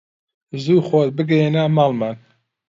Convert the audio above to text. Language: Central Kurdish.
زوو خۆت بگەیەنە ماڵمان